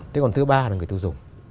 thế còn thứ ba là người tiêu dùng